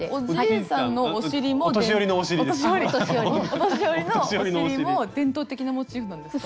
「お年寄りのお尻」も伝統的なモチーフなんですか？